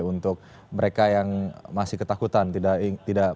untuk mereka yang masih ketakutan